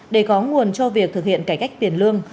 để có nguồn cho việc thực hiện cải cách tiền lương